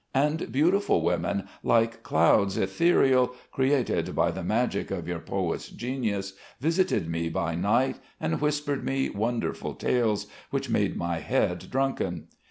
And beautiful women, like clouds ethereal, created by the magic of your poets' genius, visited me by night and whispered me wonderful tales, which made my head drunken.